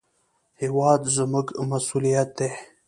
هېواد زموږ مسوولیت دی